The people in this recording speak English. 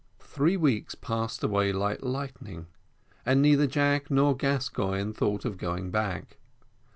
Three weeks passed away like lightning, and neither Jack nor Gascoigne thought of going back.